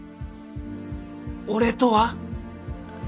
「俺とは」？